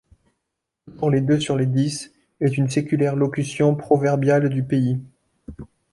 Toujours les deux sur les dix, est une séculaire locution proverbiale du pays.